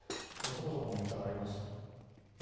そこそこの重さがあります。